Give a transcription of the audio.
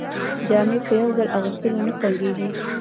جامې په یو ځل اغوستلو نه تنګیږي.